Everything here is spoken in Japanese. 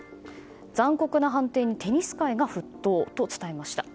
残酷な判定にテニス界が沸騰と伝えました。